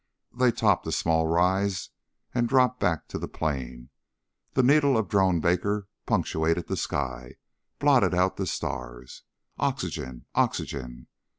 They topped a small rise and dropped back to the plain. The needle of Drone Baker punctuated the sky blotted out the stars. Oxygen ... oxygen.